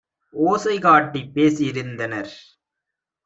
ஓசை காட்டிப் பேசி யிருந்தனர்.